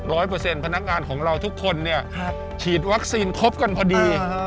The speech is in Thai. เปอร์เซ็นต์พนักงานของเราทุกคนเนี่ยฉีดวัคซีนครบกันพอดี